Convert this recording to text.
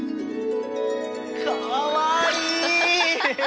かわいい。